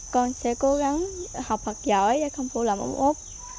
con sẽ cố gắng học thật giỏi để không phụ lòng ông út